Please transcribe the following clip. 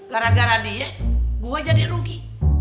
gara gara dia gue jadi rugi